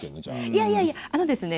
いやいやいやあのですね